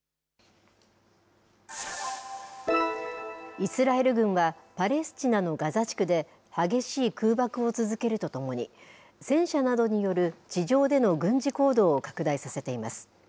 イスラエル軍はパレスチナのガザ地区で、激しい空爆を続けるとともに、戦車などによる地上での軍事行動を拡大させています。